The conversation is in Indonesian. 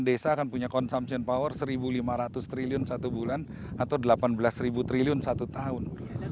desa akan punya consumption power rp satu lima ratus triliun satu bulan atau delapan belas triliun satu tahun